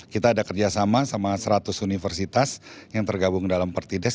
kita ada kerjasama sama seratus universitas yang tergabung dalam pertides